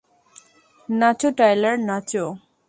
নাচো Tyler, নাচো!